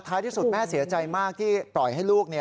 ที่สุดแม่เสียใจมากที่ปล่อยให้ลูก